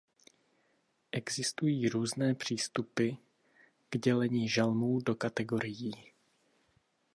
Existují různé přístupy k dělení žalmů do kategorií.